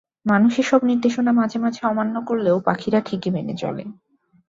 মানুষ এসব নির্দেশনা মাঝে মাঝে অমান্য করলেও পাখিরা ঠিকই মেনে চলে।